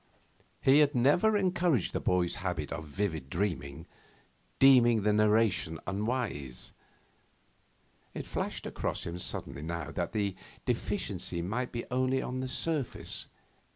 He had never encouraged the boy's habit of vivid dreaming, deeming the narration unwise. It flashed across him suddenly now that the 'deficiency' might be only on the surface.